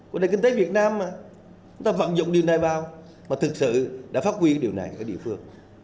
hôm nay kinh tế việt nam mà chúng ta vận dụng điều này vào và thực sự đã phát huy điều này ở địa phương